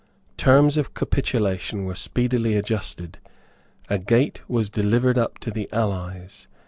Terms of capitulation were speedily adjusted. A gate was delivered up to the allies.